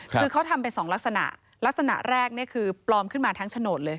คือเขาทำไปสองลักษณะลักษณะแรกเนี่ยคือปลอมขึ้นมาทั้งโฉนดเลย